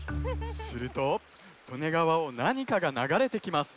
すると利根川をなにかがながれてきます。